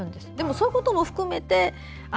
そういうことも含めて